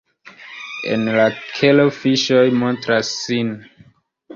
En la kelo fiŝoj montras sin.